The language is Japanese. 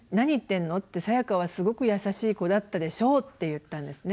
さやかはすごく優しい子だったでしょう」って言ったんですね。